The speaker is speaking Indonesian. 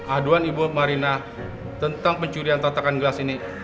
aduan ibu marina tentang pencurian tatakan gelas ini